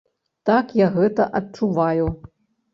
Так, я гэта адчуваю.